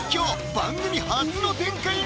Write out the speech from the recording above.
番組初の展開が！